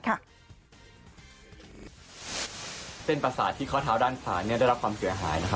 เส้นปราสาทที่เค้าเท้าด้านฝานได้รับความเกลือหาย